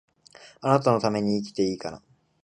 貴方のために生きていいかな